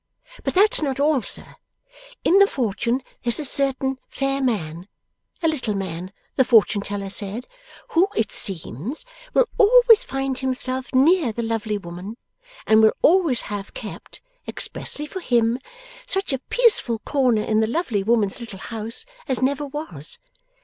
But that's not all, sir. In the fortune there's a certain fair man a little man, the fortune teller said who, it seems, will always find himself near the lovely woman, and will always have kept, expressly for him, such a peaceful corner in the lovely woman's little house as never was.